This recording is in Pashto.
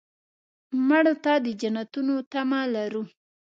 مړه ته د جنتونو تمه لرو